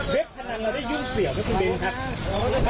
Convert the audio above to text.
เบคพนันเราได้ยุ่งเสี่ยวไหมคุณเบนส์ค่ะ